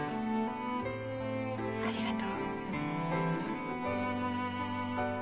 ありがとう。